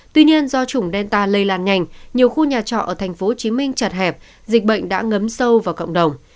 tuy nhiên do chủng delta lây lan nhanh nhiều khu nhà trọ ở tp hcm chật hẹp dịch bệnh đã ngấm sâu vào cộng đồng